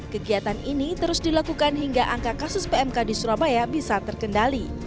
kegiatan ini terus dilakukan hingga angka kasus pmk di surabaya bisa terkendali